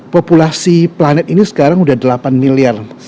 populasi planet ini sekarang sudah delapan miliar